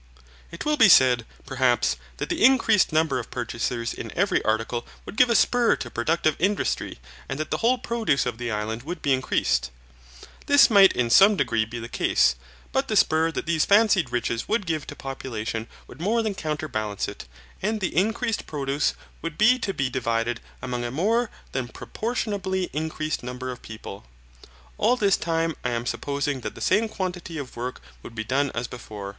It will be said, perhaps, that the increased number of purchasers in every article would give a spur to productive industry and that the whole produce of the island would be increased. This might in some degree be the case. But the spur that these fancied riches would give to population would more than counterbalance it, and the increased produce would be to be divided among a more than proportionably increased number of people. All this time I am supposing that the same quantity of work would be done as before.